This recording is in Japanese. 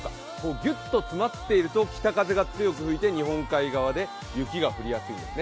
ギュッと詰まっていると北風が強く吹いて日本海側で雪が降りやすいんですね。